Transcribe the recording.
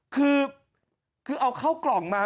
คือเอาเข้ากล่องมา